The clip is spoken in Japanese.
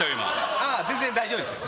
ああ、全然大丈夫です。